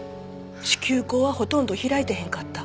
子宮口はほとんど開いてへんかった。